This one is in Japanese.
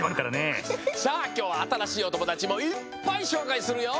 さあきょうはあたらしいおともだちもいっぱいしょうかいするよ！